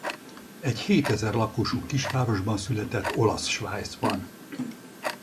Egy hétezer lakosú kisvárosban született Olasz-Svájcban.